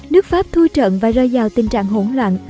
nước pháp thu trận và rơi vào tình trạng hỗn loạn